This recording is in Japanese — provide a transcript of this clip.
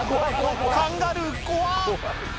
「カンガルー怖っ！」